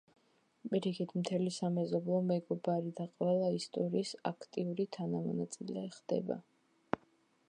პირიქით, მთელი სამეზობლოს მეგობარი და ყველა ისტორიის აქტიური თანამონაწილე ხდება.